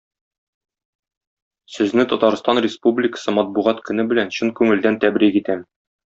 Сезне Татарстан Республикасы Матбугат көне белән чын күңелдән тәбрик итәм.